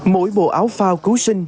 mỗi bộ áo phao cứu sinh